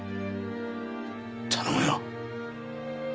頼むよ。